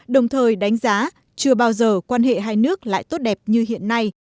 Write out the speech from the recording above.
đồng thời đánh giá chưa bao giờ quan hệ hai nước lại tốt đẹp như hiện nay